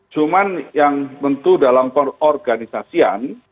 cuman yang tentu dalam perorganisasian